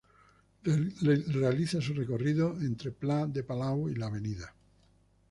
Realiza su recorrido entre Pla de Palau y la Av.